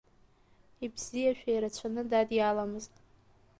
Ибзиашәа ирацәаны дадиаламызт.